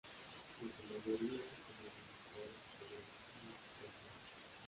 En su mayoría son administrados por las municipalidades.